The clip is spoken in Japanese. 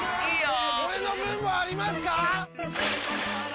俺の分もありますか！？